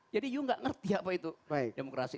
jadi you gak ngerti apa itu demokrasi